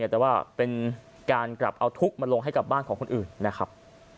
แต่ว่าเป็นการกลับเอาทุกข์มาลงให้กับบ้านของคนอื่นนะครับ